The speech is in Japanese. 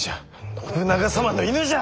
信長様の犬じゃ！